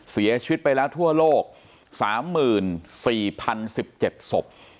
เสียชีวิตไปแล้วทั่วโลกสามหมื่นสี่พันสิบเจ็ดศพ